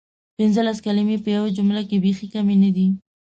پنځلس کلمې په یوې جملې کې بیخې کمې ندي؟!